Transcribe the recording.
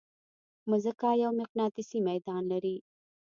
مځکه یو مقناطیسي ميدان لري.